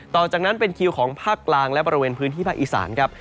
ต่อจากนั้นเป็นคิวของภาคกลางและบริเวณพื้นที่ภาคอีสานครับ